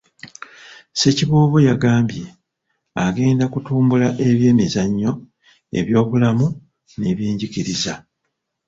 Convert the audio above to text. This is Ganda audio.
Ssekiboobo yagambye agenda kutumbula ebyemizannyo, ebyobulamu n'ebyenjigiriza.